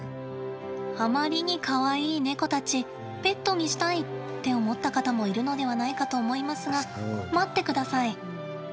あまりにかわいい猫たちペットにしたい！って思った方もいるのではないかと思いますが、待ってください。